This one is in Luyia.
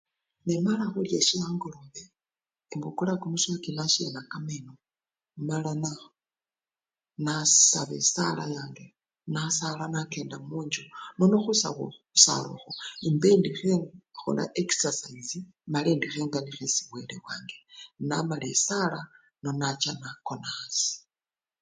Nemala khulya sye angolobe, imbukula kumuswaki nasyena kameno mala nasi! nasaba esala yange nasala nakenda munjju, nono khusaba! khusala okhwo imba indi khekhola exasize mala emba indi khenganikha esi wele wange namala esala nenacha nakona asii.